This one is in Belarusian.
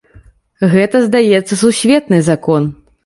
Гэта, здаецца, сусветны закон.